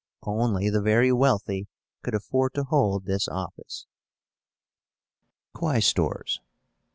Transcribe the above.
Only the very wealthy could afford to hold this office. QUAESTORS.